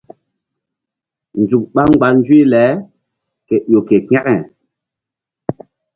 Nzuk ɓá mgba nzuyble ke ƴo ke kȩke.